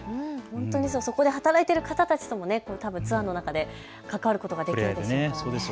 本当にそこで働いている方たちともツアーの中で関わることができるんですよね。